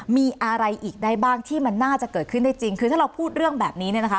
มีอะไรอีกได้บ้างที่มันน่าจะเกิดขึ้นได้จริงคือถ้าเราพูดเรื่องแบบนี้เนี่ยนะคะ